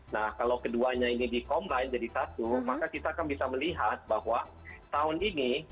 nah kalau keduanya ini di combine jadi satu maka kita akan bisa melihat bahwa tahun ini